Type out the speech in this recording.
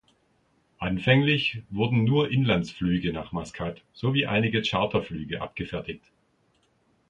Anfänglich wurden nur Inlandsflüge nach Maskat sowie einige Charterflüge abgefertigt.